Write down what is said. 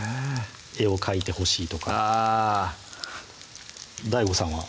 絵を描いてほしいとかあぁＤＡＩＧＯさんは？